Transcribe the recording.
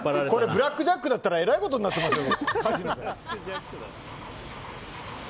ブラックジャックだったらえらいことになってますよ。